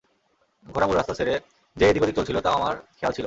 ঘোড়া মূল রাস্তা ছেড়ে যে এদিক-ওদিক চলছিল তাও আমার খেয়াল ছিল।